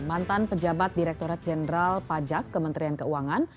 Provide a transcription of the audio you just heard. mantan pejabat direkturat jenderal pajak kementerian keuangan